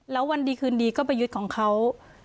แล้ววันดีคืนดีก็ไปยึดของเขา